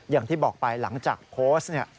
อย่างที่บอกไปหลังจากโพสต์เนี่ย